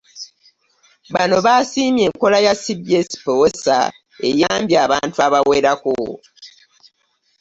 Bano basiimye enkola ya CBS PEWOSA eyambye abantu abawerako.